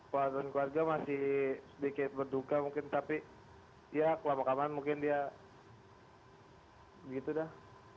keadaan keluarga masih sedikit berduka mungkin tapi ya kelama kaman mungkin dia gitu dah